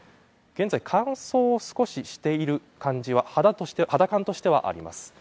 現在、乾燥は少ししている感じは肌感としてはあります。